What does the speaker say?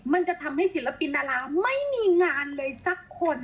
มันจะทำให้ศิลปินดาราไม่มีงานเลยสักคน